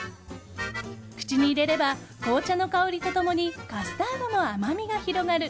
口に入れれば、紅茶の香りと共にカスタードの甘みが広がる